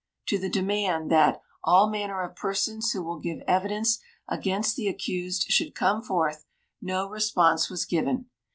To the demand that "all manner of persons who will give evidence against the accused should come forth," no response was given.